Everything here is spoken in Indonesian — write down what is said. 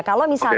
oke selamat malam